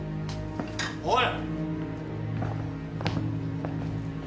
おい！